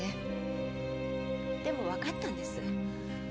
でもわかったんです。